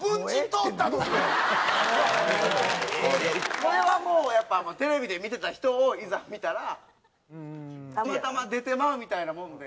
これは、もう、やっぱ、テレビで見てた人を、いざ見たらたまたま出てまうみたいなもんで。